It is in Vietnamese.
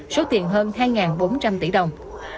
số tiền hơn hai bốn trăm linh tỷ đồng